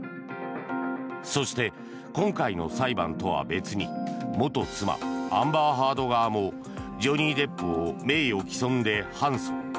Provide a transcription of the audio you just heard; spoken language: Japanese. そして今回の裁判とは別に元妻、アンバー・ハード側もジョニー・デップを名誉毀損で反訴。